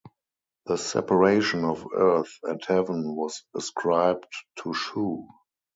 The separation of earth and heaven was ascribed to Shu.